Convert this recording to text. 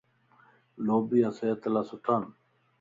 لوبيا صحت لا سھڻان